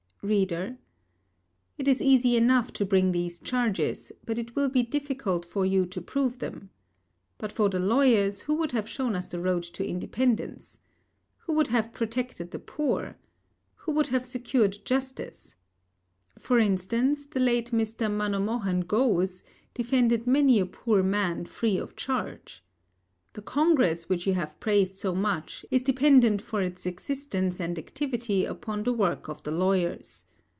READER: It is easy enough to bring these charges, but it will be difficult for you to prove them. But for the lawyers, who would have shown us the road to independence? Who would have protected the poor? Who would have secured justice? For instance, the late Mr. Manomohan Ghose defended many a poor man free of charge. The Congress, which you have praised so much, is dependent for its existence and activity upon the work of the lawyers.